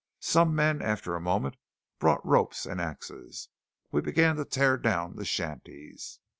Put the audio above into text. Some men, after a moment, brought ropes and axes. We began to tear down the shanties.